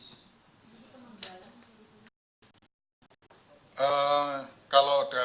seperti yang biasa dilakukan oleh isis